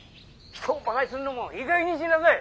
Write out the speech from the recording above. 人をバカにするのもいいかげんにしなさい！